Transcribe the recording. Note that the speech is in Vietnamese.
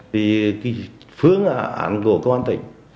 thì phương ảnh của công an tỉnh